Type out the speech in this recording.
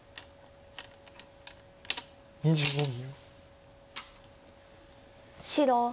２５秒。